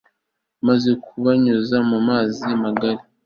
maze bubanyuza mu mazi magari